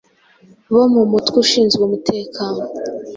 bo mu mutwe ushinzwe umutekano